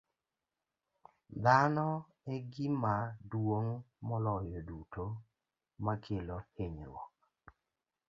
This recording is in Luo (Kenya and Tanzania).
Dhano e gima duong' moloyo duto makelo hinyruok.